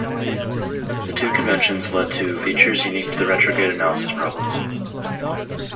These two conventions lead to features unique to retrograde analysis problems.